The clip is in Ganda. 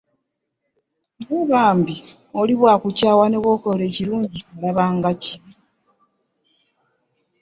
Naye bambi oli bw'akukyawa ne bw'okola ekirungi alaba nga kibi.